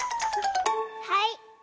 はい！